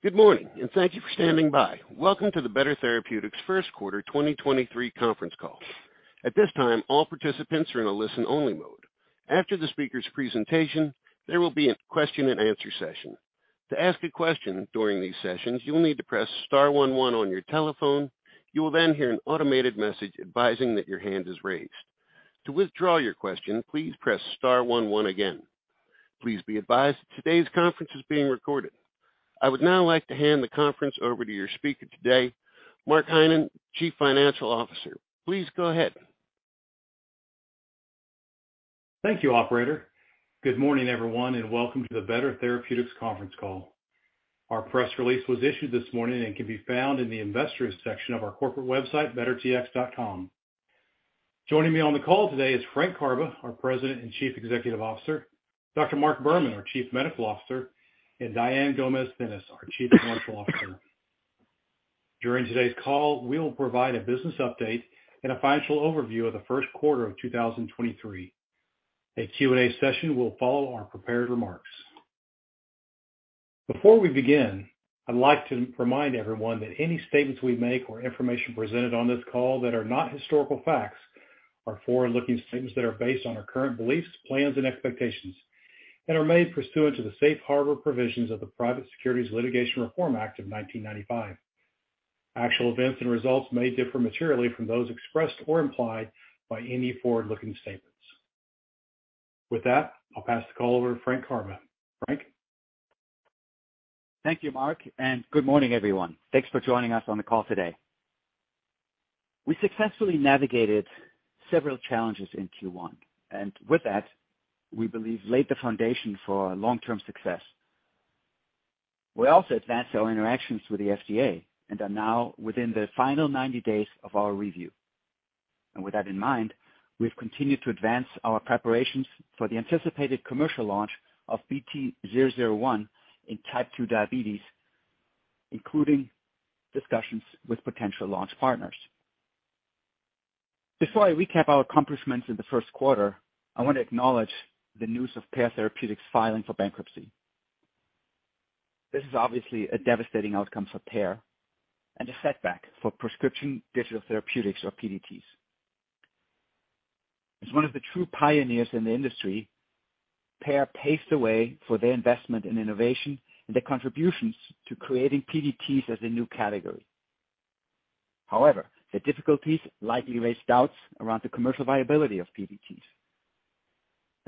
Good morning, and thank you for standing by. Welcome to the Better Therapeutics First Quarter 2023 Conference Call. At this time, all participants are in a listen-only mode. After the speaker's presentation, there will be a question-and-answer session. To ask a question during these sessions, you will need to press star one one on your telephone. You will then hear an automated message advising that your hand is raised. To withdraw your question, please press star one one again. Please be advised today's conference is being recorded. I would now like to hand the conference over to your speaker today, Mark Heinen, Chief Financial Officer. Please go ahead. Thank you, operator. Good morning, everyone, welcome to the Better Therapeutics conference call. Our press release was issued this morning and can be found in the investors section of our corporate website, bettertx.com. Joining me on the call today is Frank Karbe, our President and Chief Executive Officer, Dr. Mark Berman, our Chief Medical Officer, and Diane Gomez-Thinnes, our Chief Financial Officer. During today's call, we will provide a business update and a financial overview of the first quarter of 2023. A Q&A session will follow our prepared remarks. Before we begin, I'd like to remind everyone that any statements we make or information presented on this call that are not historical facts are forward-looking statements that are based on our current beliefs, plans, and expectations and are made pursuant to the Safe Harbor provisions of the Private Securities Litigation Reform Act of 1995. Actual events and results may differ materially from those expressed or implied by any forward-looking statements. With that, I'll pass the call over to Frank Karbe. Frank. Thank you, Mark. Good morning, everyone. Thanks for joining us on the call today. We successfully navigated several challenges in Q1, and with that, we believe laid the foundation for our long-term success. We also advanced our interactions with the FDA and are now within the final 90 days of our review. With that in mind, we've continued to advance our preparations for the anticipated commercial launch of BT-001 in type 2 diabetes, including discussions with potential launch partners. Before I recap our accomplishments in the first quarter, I want to acknowledge the news of Pear Therapeutics filing for bankruptcy. This is obviously a devastating outcome for Pear and a setback for prescription digital therapeutics or PDTs. As one of the true pioneers in the industry, Pear paved the way for their investment in innovation and their contributions to creating PDTs as a new category. However, their difficulties likely raised doubts around the commercial viability of PDTs.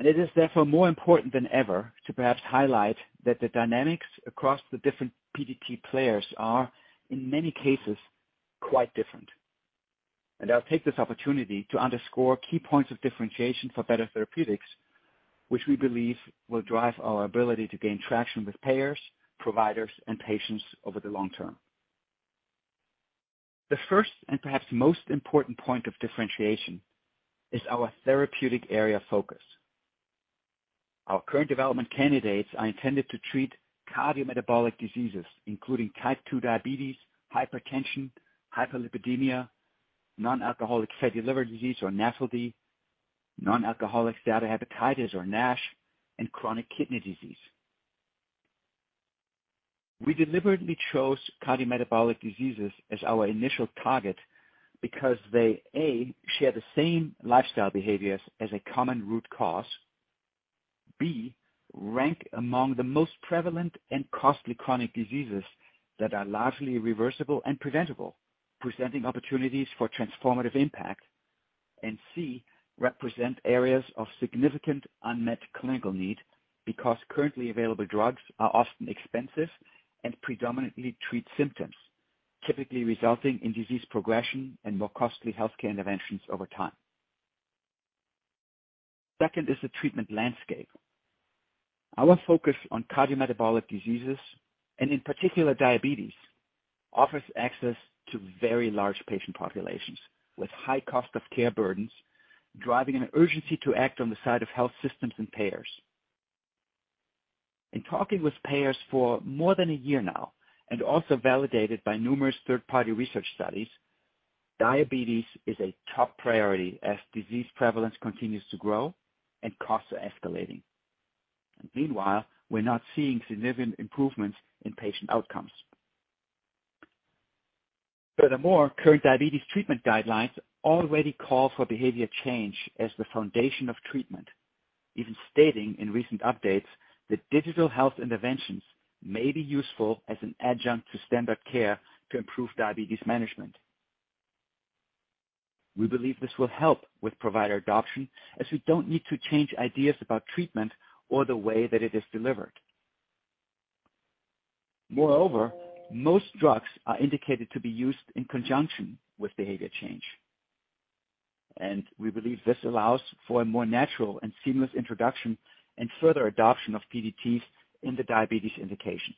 It is therefore more important than ever to perhaps highlight that the dynamics across the different PDT players are, in many cases, quite different. I'll take this opportunity to underscore key points of differentiation for Better Therapeutics, which we believe will drive our ability to gain traction with payers, providers, and patients over the long term. The first and perhaps most important point of differentiation is our therapeutic area focus. Our current development candidates are intended to treat cardiometabolic diseases, including type 2 diabetes, hypertension, hyperlipidemia, non-alcoholic fatty liver disease or NAFLD, non-alcoholic steatohepatitis or NASH, and chronic kidney disease. We deliberately chose cardiometabolic diseases as our initial target because they, A, share the same lifestyle behaviors as a common root cause, B, rank among the most prevalent and costly chronic diseases that are largely reversible and preventable, presenting opportunities for transformative impact. C, represent areas of significant unmet clinical need because currently available drugs are often expensive and predominantly treat symptoms, typically resulting in disease progression and more costly healthcare interventions over time. Second is the treatment landscape. Our focus on cardiometabolic diseases, and in particular diabetes, offers access to very large patient populations with high cost of care burdens, driving an urgency to act on the side of health systems and payers. In talking with payers for more than a year now and also validated by numerous third-party research studies, diabetes is a top priority as disease prevalence continues to grow and costs are escalating. Meanwhile, we're not seeing significant improvements in patient outcomes. Furthermore, current diabetes treatment guidelines already call for behavior change as the foundation of treatment, even stating in recent updates that digital health interventions may be useful as an adjunct to standard care to improve diabetes management. We believe this will help with provider adoption, as we don't need to change ideas about treatment or the way that it is delivered. Moreover, most drugs are indicated to be used in conjunction with behavior change, and we believe this allows for a more natural and seamless introduction and further adoption of PDTs in the diabetes indication.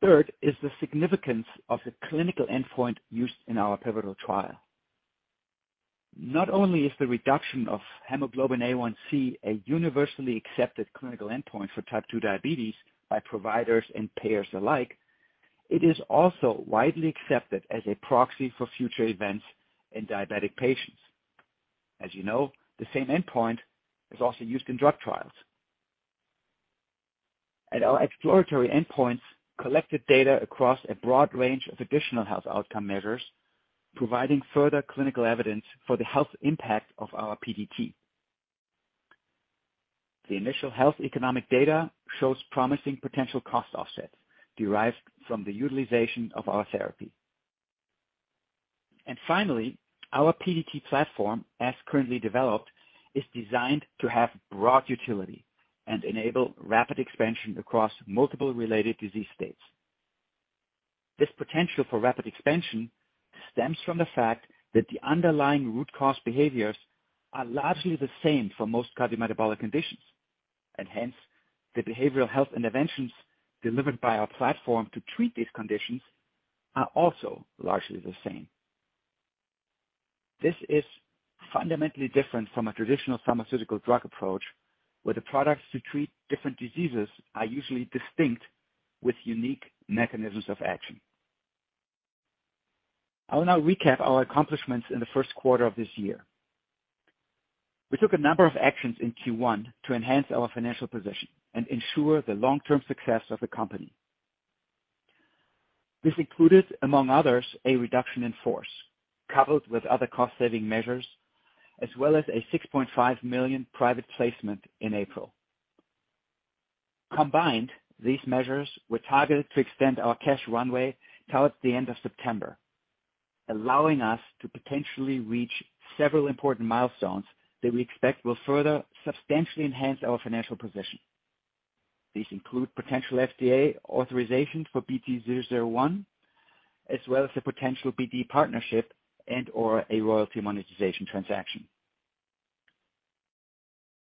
Third is the significance of the clinical endpoint used in our pivotal trial. Not only is the reduction of Hemoglobin A1c a universally accepted clinical endpoint for type 2 diabetes by providers and payers alike, it is also widely accepted as a proxy for future events in diabetic patients. As you know, the same endpoint is also used in drug trials. Our exploratory endpoints collected data across a broad range of additional health outcome measures, providing further clinical evidence for the health impact of our PDT. The initial health economic data shows promising potential cost offset derived from the utilization of our therapy. Finally, our PDT platform, as currently developed, is designed to have broad utility and enable rapid expansion across multiple related disease states. This potential for rapid expansion stems from the fact that the underlying root cause behaviors are largely the same for most cardiometabolic conditions. Hence, the behavioral health interventions delivered by our platform to treat these conditions are also largely the same. This is fundamentally different from a traditional pharmaceutical drug approach, where the products to treat different diseases are usually distinct with unique mechanisms of action. I will now recap our accomplishments in the first quarter of this year. We took a number of actions in Q1 to enhance our financial position and ensure the long-term success of the company. This included, among others, a reduction in force coupled with other cost-saving measures, as well as a $6.5 million private placement in April. Combined, these measures were targeted to extend our cash runway towards the end of September, allowing us to potentially reach several important milestones that we expect will further substantially enhance our financial position. These include potential FDA authorization for BT-001, as well as a potential BD partnership and or a royalty monetization transaction.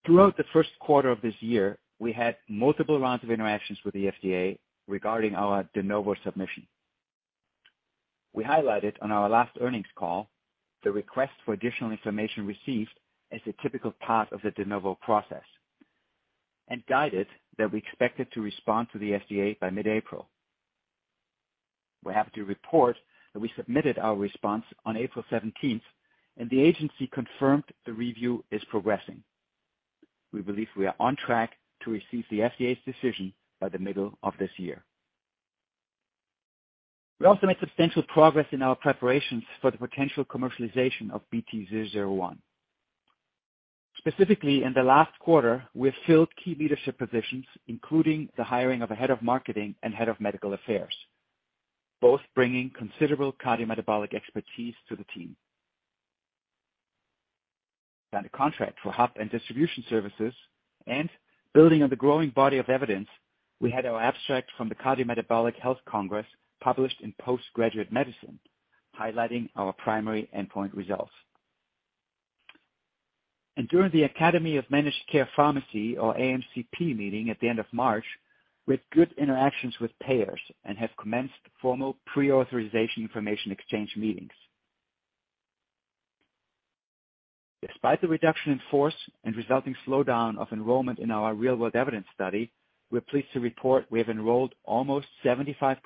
Throughout the first quarter of this year, we had multiple rounds of interactions with the FDA regarding our De Novo submission. We highlighted on our last earnings call the request for additional information received as a typical part of the De Novo process and guided that we expected to respond to the FDA by mid-April. We're happy to report that we submitted our response on April 17th. The agency confirmed the review is progressing. We believe we are on track to receive the FDA's decision by the middle of this year. We also made substantial progress in our preparations for the potential commercialization of BT-001. Specifically in the last quarter, we have filled key leadership positions, including the hiring of a head of marketing and head of medical affairs, both bringing considerable cardiometabolic expertise to the team. Signed a contract for hub and distribution services and building on the growing body of evidence, we had our abstract from the Cardiometabolic Health Congress published in Postgraduate Medicine, highlighting our primary endpoint results. During the Academy of Managed Care Pharmacy, or AMCP meeting at the end of March, we had good interactions with payers and have commenced formal pre-authorization information exchange meetings. Despite the reduction in force and resulting slowdown of enrollment in our real-world evidence study, we're pleased to report we have enrolled almost 75%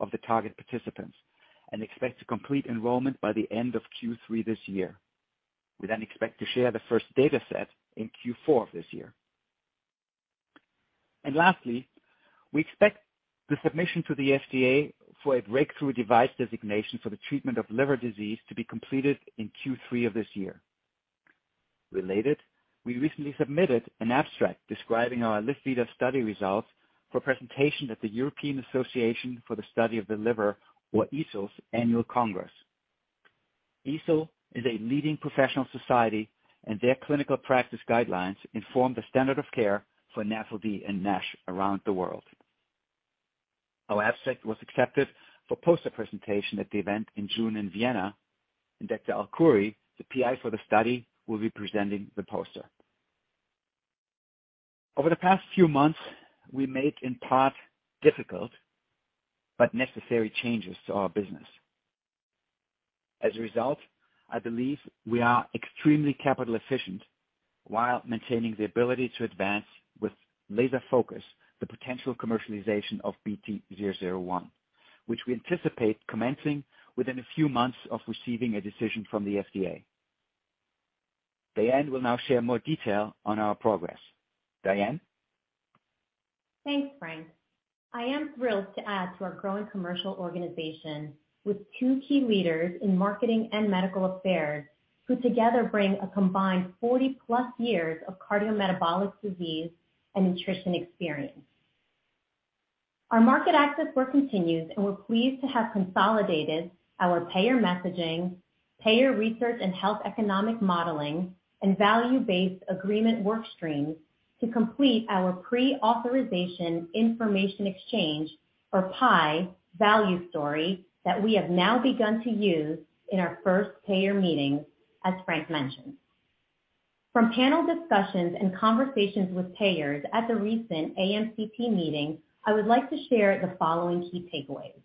of the target participants and expect to complete enrollment by the end of Q3 this year. We expect to share the first data set in Q4 of this year. Lastly, we expect the submission to the FDA for a Breakthrough Device designation for the treatment of liver disease to be completed in Q3 of this year. Related, we recently submitted an abstract describing our LivVita study results for presentation at the European Association for the Study of the Liver, or EASL's Annual Congress. EASL is a leading professional society, their clinical practice guidelines inform the standard of care for NASH D and NASH around the world. Our abstract was accepted for poster presentation at the event in June in Vienna. Dr. Alkhouri, the PI for the study, will be presenting the poster. Over the past few months, we made, in part, difficult but necessary changes to our business. As a result, I believe we are extremely capital efficient while maintaining the ability to advance with laser focus the potential commercialization of BT-001, which we anticipate commencing within a few months of receiving a decision from the FDA. Diane will now share more detail on our progress. Diane. Thanks, Frank. I am thrilled to add to our growing commercial organization with two key leaders in marketing and medical affairs, who together bring a combined 40-plus years of cardiometabolic disease and nutrition experience. We're pleased to have consolidated our payer messaging, payer research and health economic modeling, and value-based agreement work streams to complete our Prior Authorization Information Exchange, or PIE value story that we have now begun to use in our first payer meetings, as Frank mentioned. From panel discussions and conversations with payers at the recent AMCP meeting, I would like to share the following key takeaways.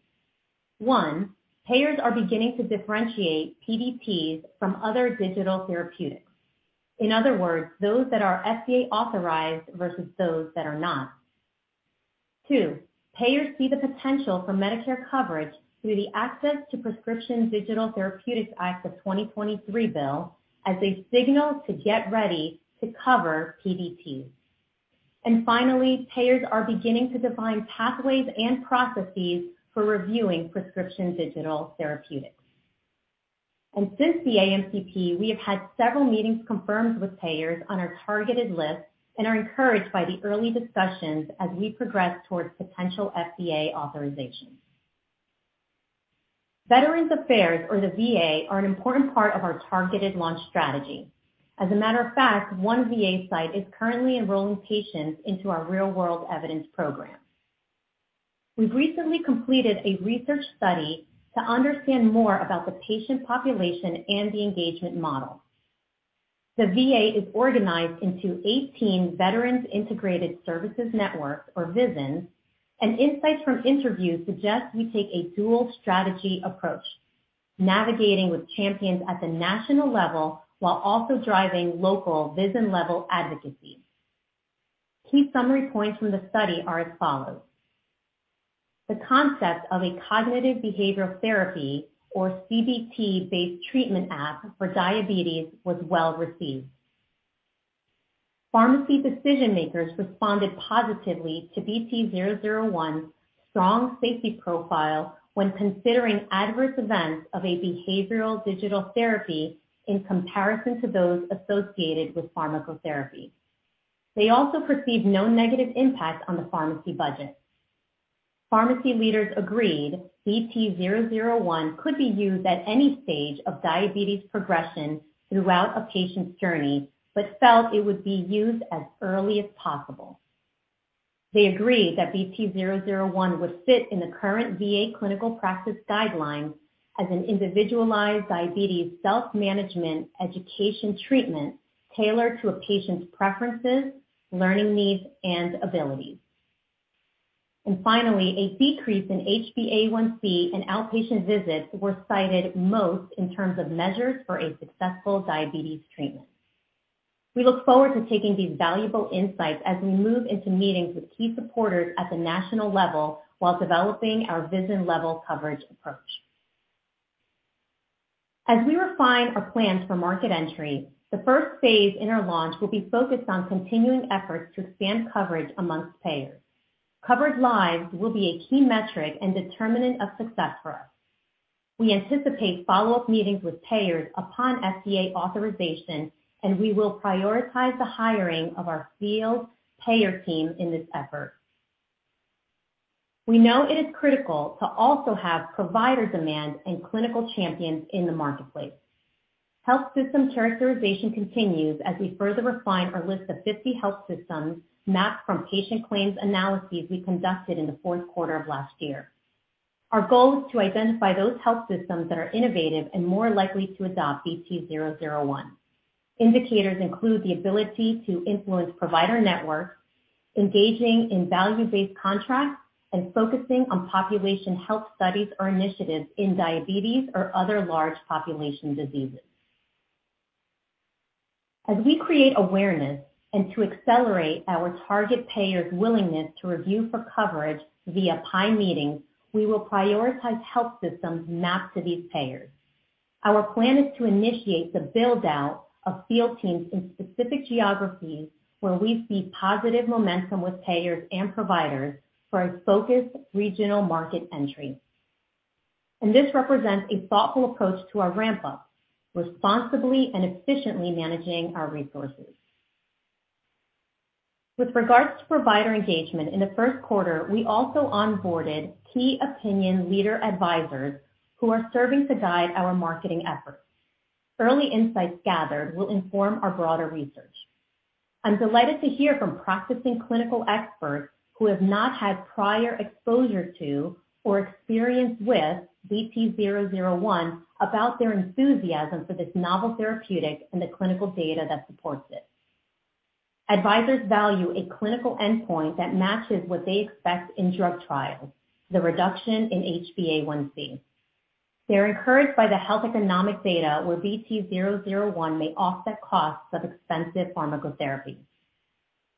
One, payers are beginning to differentiate PDTs from other digital therapeutics. In other words, those that are FDA-authorized versus those that are not. Two, payers see the potential for Medicare coverage through the Access to Prescription Digital Therapeutics Act of 2023 bill as a signal to get ready to cover PDT. Finally, payers are beginning to define pathways and processes for reviewing prescription digital therapeutics. Since the AMCP, we have had several meetings confirmed with payers on our targeted list and are encouraged by the early discussions as we progress towards potential FDA authorization. Veterans Affairs or the VA are an important part of our targeted launch strategy. As a matter of fact, one VA site is currently enrolling patients into our real-world evidence program. We've recently completed a research study to understand more about the patient population and the engagement model. The VA is organized into 18 Veterans Integrated Services Networks, or VISNs, and insights from interviews suggest we take a dual strategy approach, navigating with champions at the national level while also driving local VISN-level advocacy. Key summary points from the study are as follows. The concept of a cognitive behavioral therapy or CBT-based treatment app for diabetes was well received. Pharmacy decision-makers responded positively to BT-001's strong safety profile when considering adverse events of a behavioral digital therapy in comparison to those associated with pharmacotherapy. They also perceived no negative impact on the pharmacy budget. Pharmacy leaders agreed BT-001 could be used at any stage of diabetes progression throughout a patient's journey, but felt it would be used as early as possible. They agreed that BT-001 would fit in the current VA clinical practice guidelines as an individualized diabetes self-management education treatment tailored to a patient's preferences, learning needs, and abilities. Finally, a decrease in HbA1c and outpatient visits were cited most in terms of measures for a successful diabetes treatment. We look forward to taking these valuable insights as we move into meetings with key supporters at the national level while developing our vision level coverage approach. As we refine our plans for market entry, the first phase in our launch will be focused on continuing efforts to expand coverage amongst payers. Covered lives will be a key metric and determinant of success for us. We anticipate follow-up meetings with payers upon FDA authorization, and we will prioritize the hiring of our field payer team in this effort. We know it is critical to also have provider demand and clinical champions in the marketplace. Health system characterization continues as we further refine our list of 50 health systems mapped from patient claims analyses we conducted in the fourth quarter of last year. Our goal is to identify those health systems that are innovative and more likely to adopt BT-001. Indicators include the ability to influence provider networks, engaging in value-based contracts, and focusing on population health studies or initiatives in diabetes or other large population diseases. As we create awareness and to accelerate our target payers' willingness to review for coverage via pie meetings, we will prioritize health systems mapped to these payers. Our plan is to initiate the build-out of field teams in specific geographies where we see positive momentum with payers and providers for a focused regional market entry. This represents a thoughtful approach to our ramp-up, responsibly and efficiently managing our resources. With regards to provider engagement in the first quarter, we also onboarded key opinion leader advisors who are serving to guide our marketing efforts. Early insights gathered will inform our broader research. I'm delighted to hear from practicing clinical experts who have not had prior exposure to or experience with BT-001 about their enthusiasm for this novel therapeutic and the clinical data that supports it. Advisors value a clinical endpoint that matches what they expect in drug trials, the reduction in HbA1c. They're encouraged by the health economic data where BT-001 may offset costs of expensive pharmacotherapy.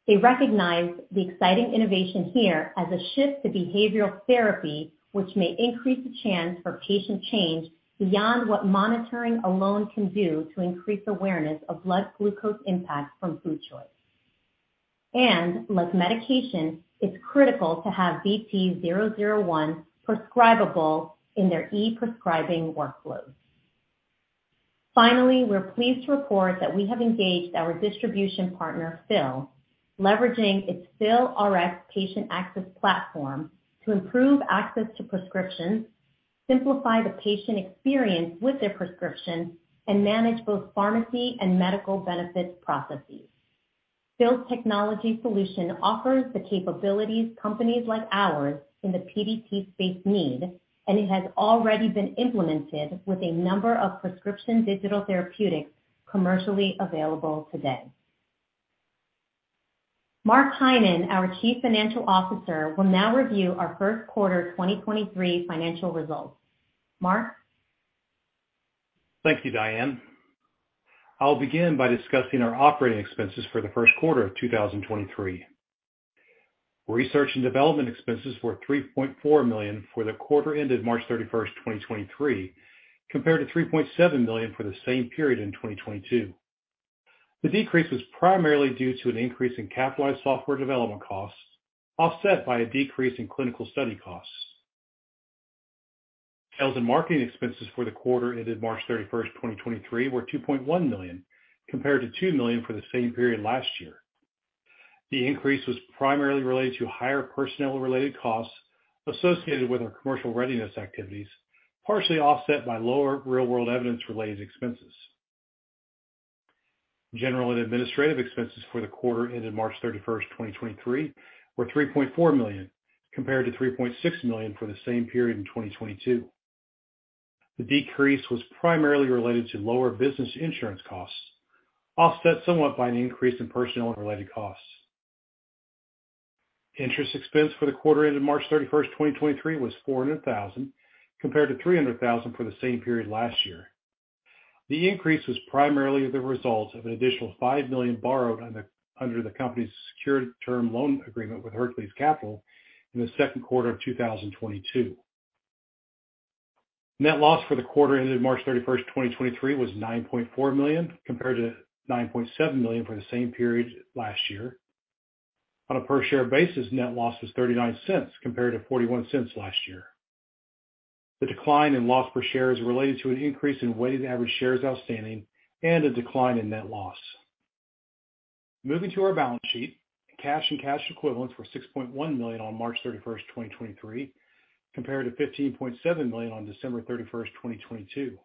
They recognize the exciting innovation here as a shift to behavioral therapy, which may increase the chance for patient change beyond what monitoring alone can do to increase awareness of blood glucose impacts from food choice. Like medication, it's critical to have BT-001 prescribable in their e-prescribing workflows. Finally, we're pleased to report that we have engaged our distribution partner, Phil, leveraging its PhilRx patient access platform to improve access to prescriptions, simplify the patient experience with their prescriptions, and manage both pharmacy and medical benefits processes. Phil's technology solution offers the capabilities companies like ours in the PDT space need, and it has already been implemented with a number of prescription digital therapeutics commercially available today. Mark Heinen, our Chief Financial Officer, will now review our first quarter 2023 financial results. Mark? Thank you, Diane. I'll begin by discussing our operating expenses for the first quarter of 2023. Research and development expenses were $3.4 million for the quarter ended March 31st, 2023, compared to $3.7 million for the same period in 2022. The decrease was primarily due to an increase in capitalized software development costs, offset by a decrease in clinical study costs. Sales and marketing expenses for the quarter ended March 31st, 2023, were $2.1 million compared to $2 million for the same period last year. The increase was primarily related to higher personnel-related costs associated with our commercial readiness activities, partially offset by lower real-world evidence-related expenses. General and administrative expenses for the quarter ended March 31st, 2023, were $3.4 million, compared to $3.6 million for the same period in 2022. The decrease was primarily related to lower business insurance costs, offset somewhat by an increase in personnel-related costs. Interest expense for the quarter ended March 31, 2023, was $400,000, compared to $300,000 for the same period last year. The increase was primarily the result of an additional $5 million borrowed under the company's secured term loan agreement with Hercules Capital in the second quarter of 2022. Net loss for the quarter ended March 31, 2023, was $9.4 million, compared to $9.7 million for the same period last year. On a per-share basis, net loss was $0.39 compared to $0.41 last year. The decline in loss per share is related to an increase in weighted average shares outstanding and a decline in net loss. Moving to our balance sheet. Cash and cash equivalents were $6.1 million on March 31, 2023, compared to $15.7 million on December 31, 2022.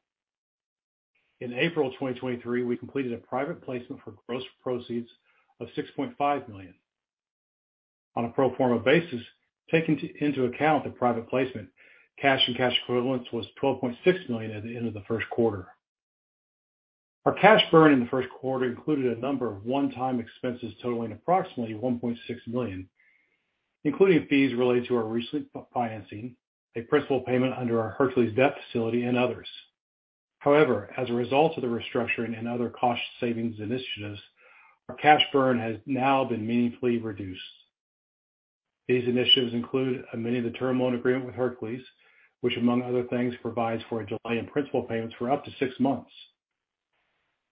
In April 2023, we completed a private placement for gross proceeds of $6.5 million. On a pro forma basis, taking into account the private placement, cash and cash equivalents was $12.6 million at the end of the first quarter. Our cash burn in the first quarter included a number of one-time expenses totaling approximately $1.6 million, including fees related to our recent financing, a principal payment under our Hercules debt facility and others. As a result of the restructuring and other cost savings initiatives, our cash burn has now been meaningfully reduced. These initiatives include amending the term loan agreement with Hercules, which among other things, provides for a delay in principal payments for up to six months.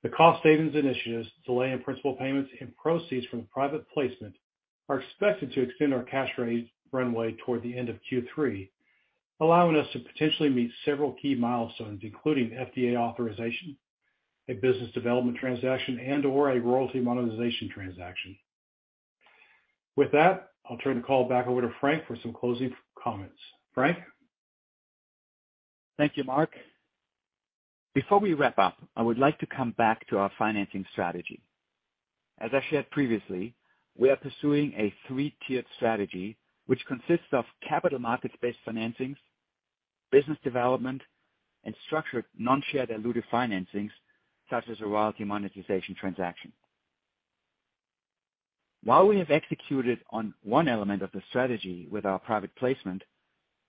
The cost savings initiatives, delay in principal payments and proceeds from the private placement are expected to extend our cash raise runway toward the end of Q3, allowing us to potentially meet several key milestones, including FDA authorization, a business development transaction, and/or a royalty monetization transaction. I'll turn the call back over to Frank for some closing comments. Frank? Thank you, Mark. Before we wrap up, I would like to come back to our financing strategy. As I shared previously, we are pursuing a three-tiered strategy which consists of capital market-based financings, business development, and structured non-shared dilutive financings such as a royalty monetization transaction. While we have executed on one element of the strategy with our private placement,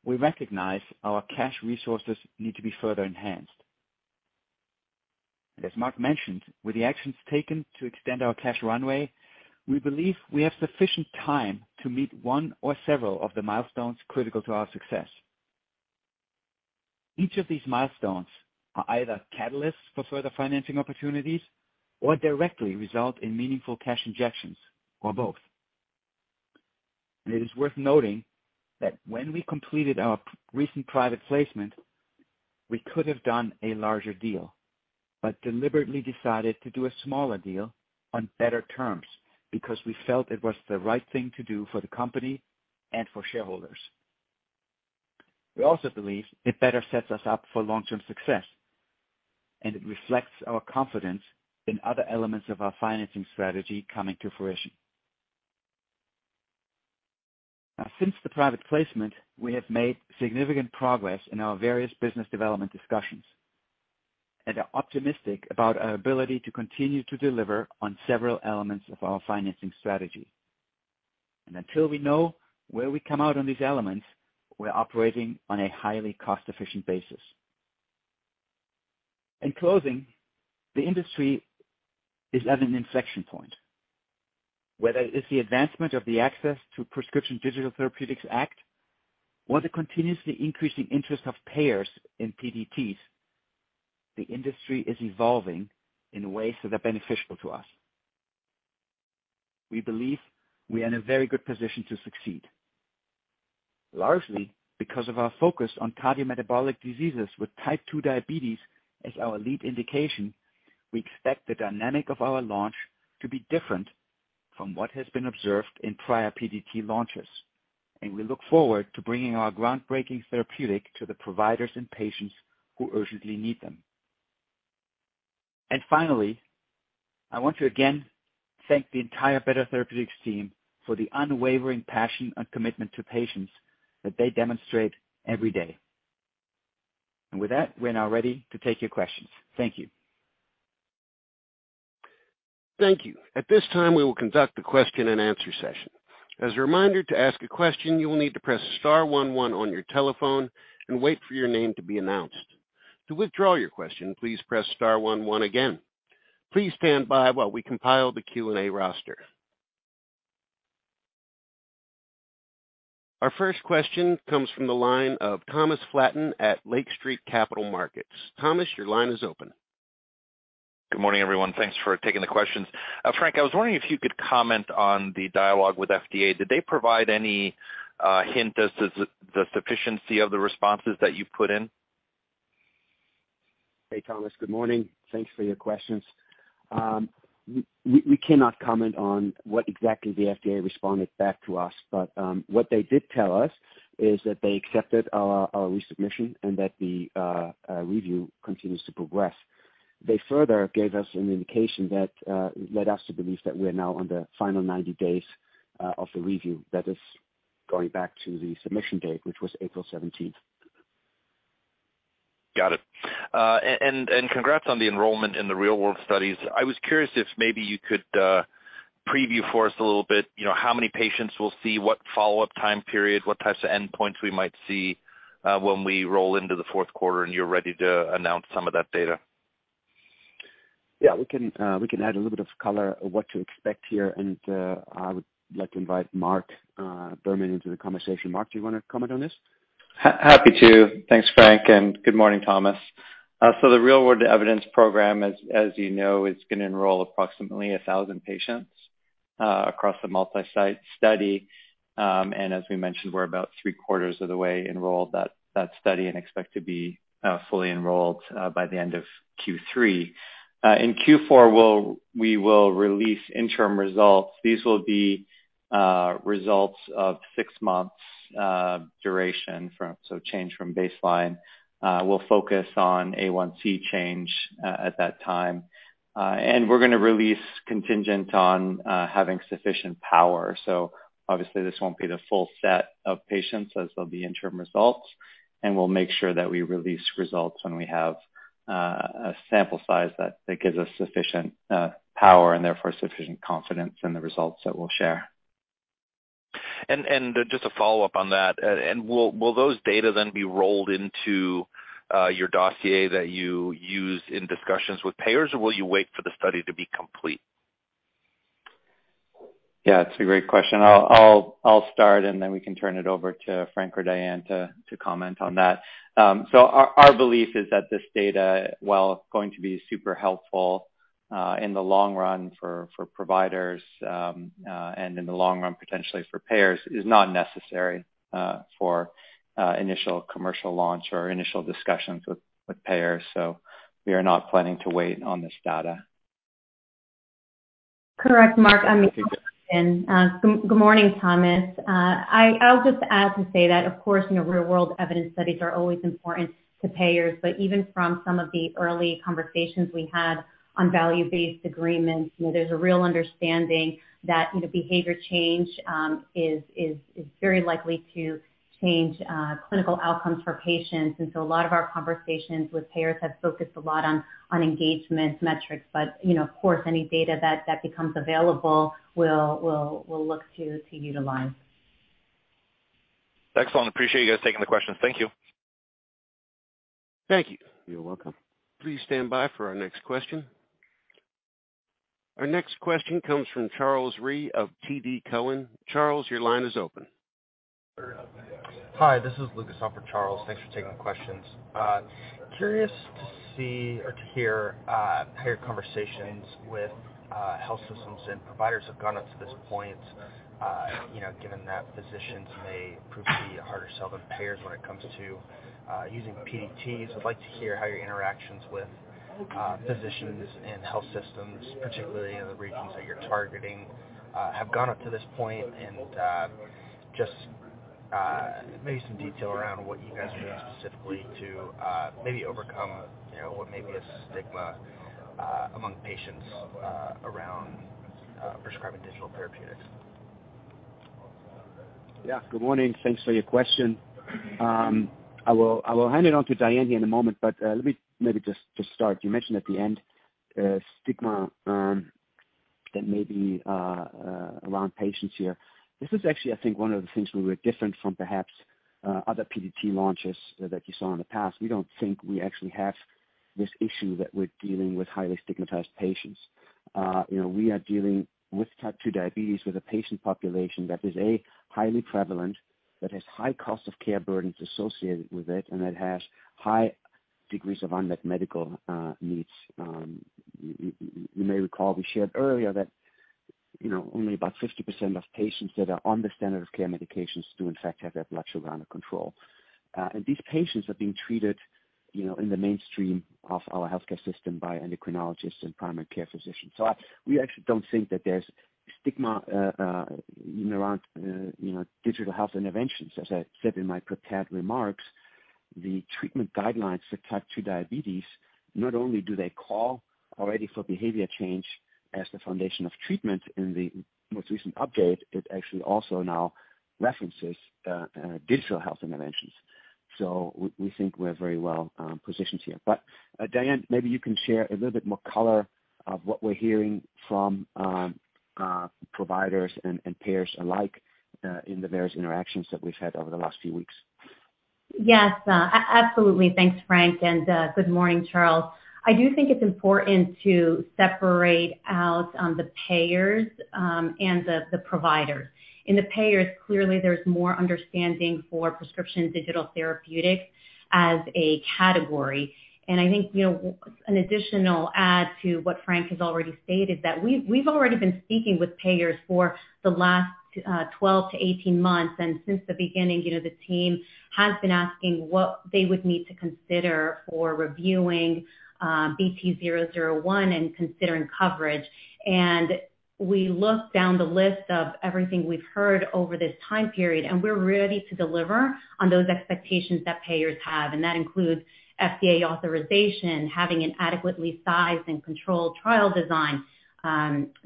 we recognize our cash resources need to be further enhanced. As Mark mentioned, with the actions taken to extend our cash runway, we believe we have sufficient time to meet one or several of the milestones critical to our success. Each of these milestones are either catalysts for further financing opportunities or directly result in meaningful cash injections or both. It is worth noting that when we completed our recent private placement, we could have done a larger deal, but deliberately decided to do a smaller deal on better terms because we felt it was the right thing to do for the company and for shareholders. We also believe it better sets us up for long-term success, and it reflects our confidence in other elements of our financing strategy coming to fruition. Since the private placement, we have made significant progress in our various business development discussions and are optimistic about our ability to continue to deliver on several elements of our financing strategy. Until we know where we come out on these elements, we're operating on a highly cost-efficient basis. In closing, the industry is at an inflection point, whether it's the advancement of the Access to Prescription Digital Therapeutics Act or the continuously increasing interest of payers in PDTs, the industry is evolving in ways that are beneficial to us. We believe we are in a very good position to succeed. Largely because of our focus on cardiometabolic diseases with type 2 diabetes as our lead indication, we expect the dynamic of our launch to be different from what has been observed in prior PDT launches, and we look forward to bringing our groundbreaking therapeutic to the providers and patients who urgently need them. Finally, I want to again thank the entire Better Therapeutics team for the unwavering passion and commitment to patients that they demonstrate every day. With that, we're now ready to take your questions. Thank you. Thank you. At this time, we will conduct a question and answer session. As a reminder, to ask a question, you will need to press star one one on your telephone and wait for your name to be announced. To withdraw your question, please press star one one again. Please stand by while we compile the Q&A roster. Our first question comes from the line of Thomas Flaten at Lake Street Capital Markets. Thomas, your line is open. Good morning, everyone. Thanks for taking the questions. Frank, I was wondering if you could comment on the dialogue with FDA. Did they provide any hint as to the sufficiency of the responses that you put in? Hey, Thomas. Good morning. Thanks for your questions. We cannot comment on what exactly the FDA responded back to us, but what they did tell us is that they accepted our resubmission and that the review continues to progress. They further gave us an indication that led us to believe that we're now on the final 90 days of the review. That is going back to the submission date, which was April 17th. Got it. And congrats on the enrollment in the real world studies. I was curious if maybe you could preview for us a little bit, you know, how many patients we'll see, what follow-up time period, what types of endpoints we might see, when we roll into the fourth quarter and you're ready to announce some of that data? Yeah, we can add a little bit of color of what to expect here. I would like to invite Mark Berman into the conversation. Mark, do you wanna comment on this? Happy to. Thanks, Frank, and good morning, Thomas. The real world evidence program, as you know, is gonna enroll approximately 1,000 patients across the multi-site study. As we mentioned, we're about three quarters of the way enrolled that study and expect to be fully enrolled by the end of Q3. In Q4, we will release interim results. These will be results of six months duration, change from baseline. We'll focus on A1c change at that time. We're gonna release contingent on having sufficient power. Obviously this won't be the full set of patients as they'll be interim results, and we'll make sure that we release results when we have a sample size that gives us sufficient power and therefore sufficient confidence in the results that we'll share. Just a follow-up on that. Will those data then be rolled into your dossier that you use in discussions with payers, or will you wait for the study to be complete? Yeah, it's a great question. I'll start, then we can turn it over to Frank or Diane to comment on that. Our belief is that this data, while going to be super helpful in the long run for providers, in the long run potentially for payers, is not necessary for initial commercial launch or initial discussions with payers. We are not planning to wait on this data. Correct, Mark. I mean, good morning, Thomas. I'll just add to say that of course, you know, real world evidence studies are always important to payers, but even from some of the early conversations we had on value-based agreements, you know, there's a real understanding that, you know, behavior change is very likely to change clinical outcomes for patients. A lot of our conversations with payers have focused a lot on engagement metrics. You know, of course, any data that becomes available, we'll look to utilize. Excellent. Appreciate you guys taking the questions. Thank you. Thank you. You're welcome. Please stand by for our next question. Our next question comes from Charles Rhyee of TD Cowen. Charles, your line is open. Hi, this is Lucas on for Charles. Thanks for taking the questions. Curious to see or to hear payer conversations with health systems and providers have gone up to this point, you know, given that physicians may prove to be a harder sell than payers when it comes to using PDTs. I'd like to hear how your interactions with physicians and health systems, particularly in the regions that you're targeting, have gone up to this point and just maybe some detail around what you guys are doing specifically to maybe overcome, you know, what may be a stigma among patients around prescribing digital therapeutics. Yes. Good morning. Thanks for your question. I will hand it on to Diane here in a moment. Let me maybe just start. You mentioned at the end, stigma, that may be, around patients here. This is actually I think one of the things where we're different from perhaps, other PDT launches that you saw in the past. We don't think we actually have this issue that we're dealing with highly stigmatized patients. You know, we are dealing with type two diabetes with a patient population that is, A, highly prevalent, that has high cost of care burdens associated with it, and that has high degrees of unmet medical, needs. you may recall we shared earlier that, you know, only about 50% of patients that are on the standard of care medications do in fact have their blood sugar under control. These patients are being treated, you know, in the mainstream of our healthcare system by endocrinologists and primary care physicians. We actually don't think that there's stigma, you know, around, you know, digital health interventions. As I said in my prepared remarks, the treatment guidelines for type 2 diabetes, not only do they call already for behavior change as the foundation of treatment in the most recent update, it actually also now references digital health interventions. We think we're very well positioned here. Diane, maybe you can share a little bit more color of what we're hearing from providers and payers alike, in the various interactions that we've had over the last few weeks. Yes, absolutely. Thanks, Frank, and good morning, Charles. I do think it's important to separate out the payers and the providers. In the payers, clearly there's more understanding for prescription digital therapeutics as a category. I think, you know, an additional add to what Frank has already stated, that we've already been speaking with payers for the last 12-18 months. Since the beginning, you know, the team has been asking what they would need to consider for reviewing BT-001 and considering coverage. We look down the list of everything we've heard over this time period, and we're ready to deliver on those expectations that payers have. That includes FDA authorization, having an adequately sized and controlled trial design,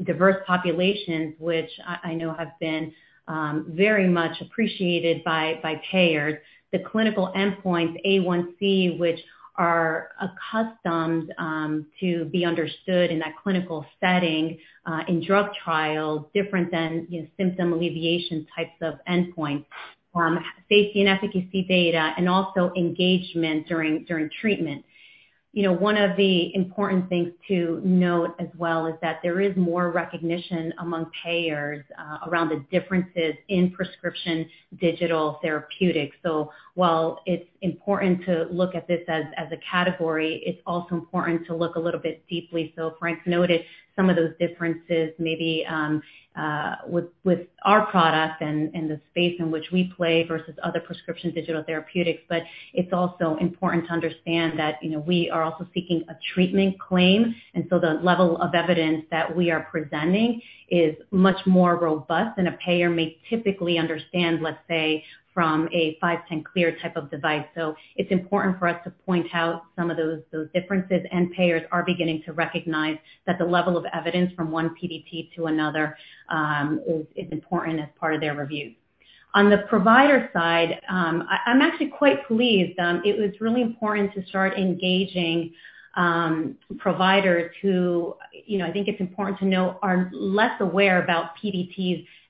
diverse populations, which I know have been very much appreciated by payers. The clinical endpoints A1c, which are accustomed to be understood in that clinical setting in drug trials, different than, you know, symptom alleviation types of endpoints. Safety and efficacy data and also engagement during treatment. You know, one of the important things to note as well is that there is more recognition among payers around the differences in prescription digital therapeutics. While it's important to look at this as a category, it's also important to look a little bit deeply. Frank noted some of those differences maybe with our product and the space in which we play versus other prescription digital therapeutics. It's also important to understand that, you know, we are also seeking a treatment claim. The level of evidence that we are presenting is much more robust than a payer may typically understand, let's say, from a 510(k) clear type of device. It's important for us to point out some of those differences. Payers are beginning to recognize that the level of evidence from one PDT to another is important as part of their review. On the provider side, I'm actually quite pleased. It was really important to start engaging providers who, you know, I think it's important to know, are less aware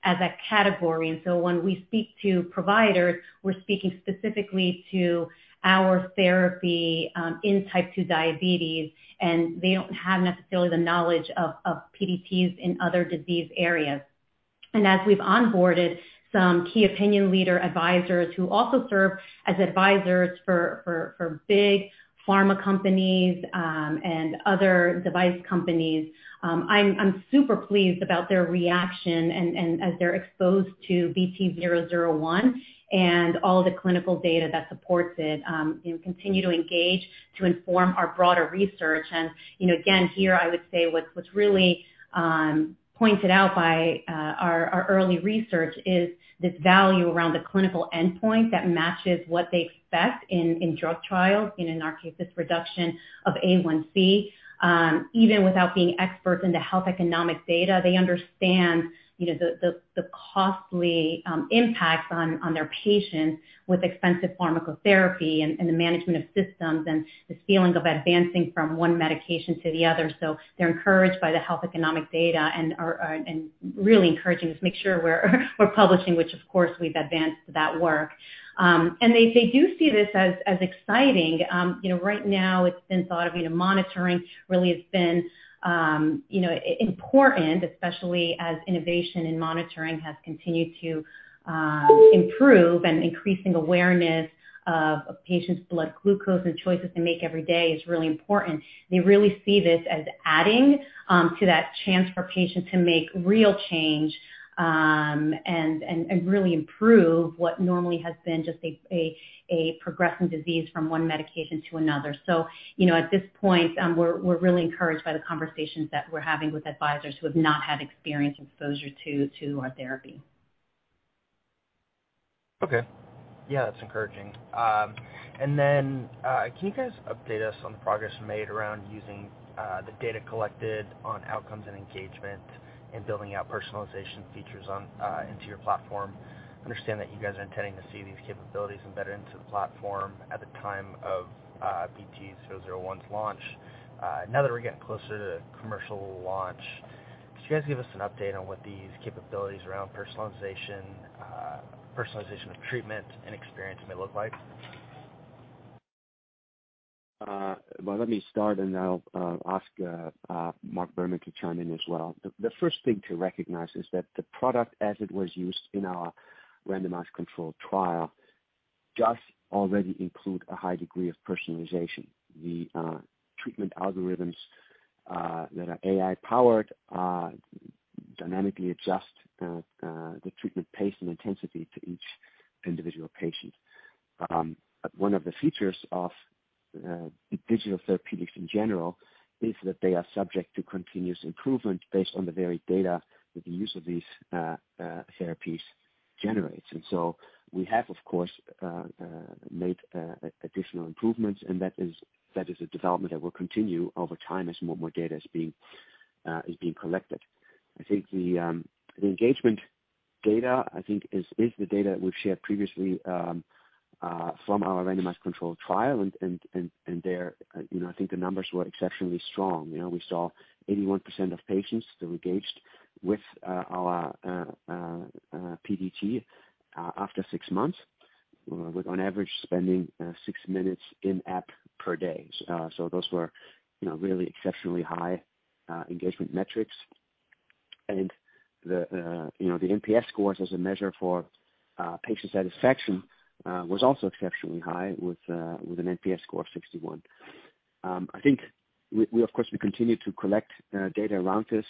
about PDTs as a category. When we speak to providers, we're speaking specifically to our therapy in type 2 diabetes, and they don't have necessarily the knowledge of PDTs in other disease areas. As we've onboarded some key opinion leader advisors who also serve as advisors for big pharma companies and other device companies, I'm super pleased about their reaction and as they're exposed to BT-001 and all the clinical data that supports it, you know, continue to engage to inform our broader research. You know, again, here I would say what's really pointed out by our early research is this value around the clinical endpoint that matches what they expect in drug trials, you know, in our case, it's reduction of A1c. Even without being experts in the health economic data, they understand, you know, the costly impacts on their patients with expensive pharmacotherapy and the management of systems and this feeling of advancing from one medication to the other. They're encouraged by the health economic data and really encouraging us to make sure we're publishing, which of course we've advanced that work. They do see this as exciting. You know, right now it's been thought of, you know, monitoring really has been important, especially as innovation in monitoring has continued to improve and increasing awareness of a patient's blood glucose and choices they make every day is really important. They really see this as adding to that chance for patients to make real change and really improve what normally has been just a progressing disease from one medication to another. You know, at this point, we're really encouraged by the conversations that we're having with advisors who have not had experience or exposure to our therapy. Okay. Yeah, that's encouraging. Can you guys update us on the progress made around using the data collected on outcomes and engagement and building out personalization features on into your platform? I understand that you guys are intending to see these capabilities embedded into the platform at the time of BT-001's launch. Now that we're getting closer to commercial launch, could you guys give us an update on what these capabilities around personalization of treatment and experience may look like? Well, let me start, then I'll ask Mark Berman to chime in as well. The first thing to recognize is that the product as it was used in our randomized controlled trial does already include a high degree of personalization. The treatment algorithms that are AI powered dynamically adjust the treatment pace and intensity to each individual patient. One of the features of digital therapeutics in general is that they are subject to continuous improvement based on the very data that the use of these therapies generates. So we have of course made additional improvements, and that is a development that will continue over time as more data is being collected. I think the engagement data, I think is the data we've shared previously from our randomized controlled trial and there, you know, I think the numbers were exceptionally strong. You know, we saw 81% of patients still engaged with our PDT after six months, with on average spending six minutes in-app per day. Those were, you know, really exceptionally high engagement metrics. The, you know, the NPS scores as a measure for patient satisfaction was also exceptionally high with an NPS score of 61. I think we of course we continue to collect data around this